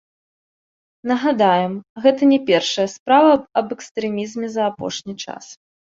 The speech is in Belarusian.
Нагадаем, гэта не першая справа аб экстрэмізме за апошні час.